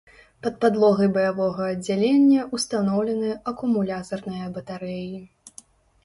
Пад падлогай баявога аддзялення ўстаноўлены акумулятарныя батарэі.